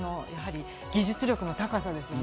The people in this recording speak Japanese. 技術力の高さですよね。